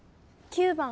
９番。